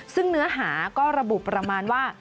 ซึ่งเนื้อหาก็ระบุประมาณว่า